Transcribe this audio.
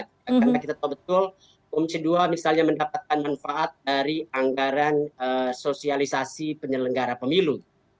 karena kita tahu betul komisi dua misalnya mendapatkan manfaat dari anggaran sosialisasi penyelenggara pemilu